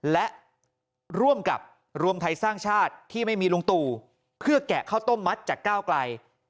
และร่วมกับรวมไทยสร้างชาติที่ไม่มีลุงตู่เพื่อแกะข้าวต้มมัดจากก้าวไกล